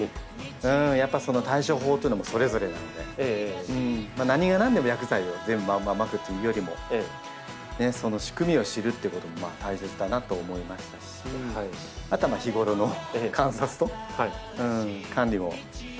やっぱその対処法というのもそれぞれなので何が何でも薬剤をまくというよりもその仕組みを知るっていうことも大切だなと思いましたしあとは日頃の観察と管理もしっかりしてなきゃいけないなと。